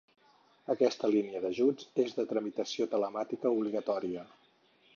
Aquesta línia d'ajuts és de tramitació telemàtica obligatòria.